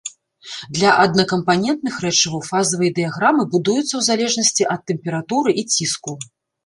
Для аднакампанентных рэчываў фазавыя дыяграмы будуюцца ў залежнасці ад тэмпературы і ціску.